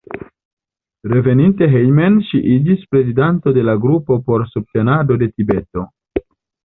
Reveninte hejmen ŝi iĝis prezidanto de la Grupo por Subtenado de Tibeto.